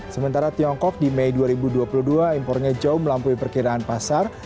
sementara tiongkok di mei dua ribu dua puluh dua impornya jauh melampaui perkiraan pasar